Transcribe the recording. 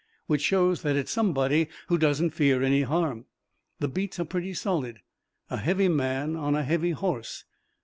"Which shows that it's somebody who doesn't fear any harm." "The beats are pretty solid. A heavy man on a heavy horse."